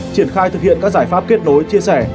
triển khai thực hiện các giải pháp kết nối chia sẻ